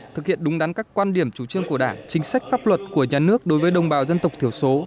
thực hiện đúng đắn các quan điểm chủ trương của đảng chính sách pháp luật của nhà nước đối với đồng bào dân tộc thiểu số